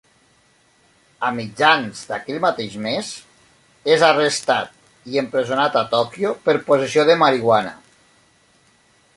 A mitjans d'aquell mateix mes és arrestat i empresonat a Tòquio per possessió de marihuana.